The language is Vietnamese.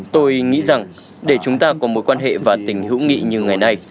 tôi nghĩ rằng để chúng ta có mối quan hệ và tình hữu nghị như ngày nay